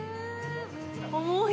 重い。